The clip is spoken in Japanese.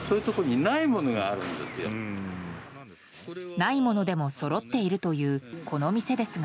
ないものでもそろっているというこの店ですが。